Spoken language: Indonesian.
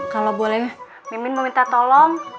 kalau boleh mimin mau minta tolong